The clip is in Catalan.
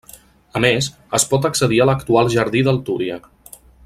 A més, es pot accedir a l'actual jardí del Túria.